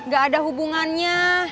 gak ada hubungannya